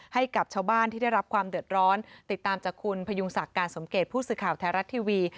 ให้กับชาวบ้านที่ได้รับความเดือดร้อนติดตามจากคุณพยุงศักดิ์การสมเกตผู้สื่อข่าวไทยรัฐทีวี